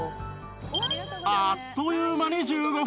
あっという間に１５分